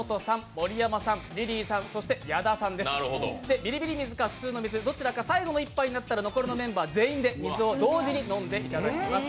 ビリビリ水か普通の水残ったら残りのメンバー全員で水を同時に飲んでいただきます。